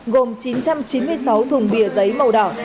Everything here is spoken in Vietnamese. gồm chín trăm chín mươi sáu thùng bìa giấy màu đỏ